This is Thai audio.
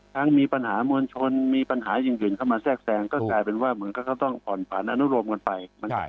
มีปัญหามวลชนมีปัญหาอย่างอื่นเข้ามาแทรกแซงก็กลายเป็นว่าเหมือนกับเขาต้องผ่อนผันอนุโรมกันไป